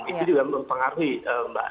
itu juga mempengaruhi mbak